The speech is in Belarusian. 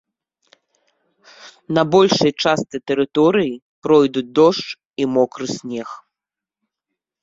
На большай частцы тэрыторыі пройдуць дождж і мокры снег.